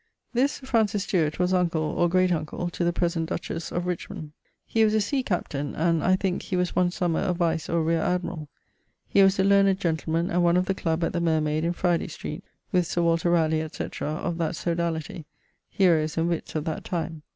= This Sir Francis Stuart was uncle (or great uncle) to the present dutchesse of Richmond. He was a sea captaine, and (I thinke) he was one summer a vice or rere admirall. He was a learned gentleman, and one of the club at the Mermayd, in Fryday street, with Sir Walter Ralegh, etc., of that sodalitie: heroes and witts of that time.